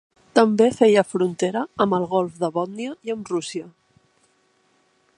També feia frontera amb el golf de Bòtnia i amb Rússia.